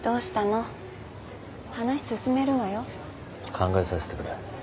考えさせてくれ。